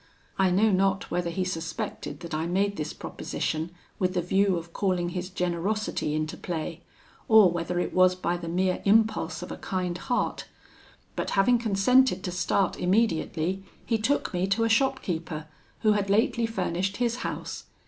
I know not whether he suspected that I made this proposition with the view of calling his generosity into play, or whether it was by the mere impulse of a kind heart; but, having consented to start immediately, he took me to a shopkeeper, who had lately furnished his house.